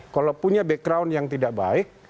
kalau punya background yang tidak baik